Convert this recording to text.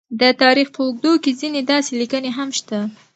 د تاریخ په اوږدو کې ځینې داسې لیکنې هم شته،